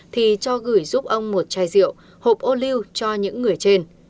thì cho gửi giúp ông một chai rượu hộp ô lưu cho những người trên